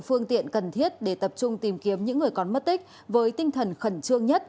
phương tiện cần thiết để tập trung tìm kiếm những người còn mất tích với tinh thần khẩn trương nhất